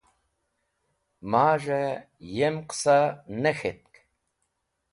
Maz̃he yem qẽsa ne k̃htk.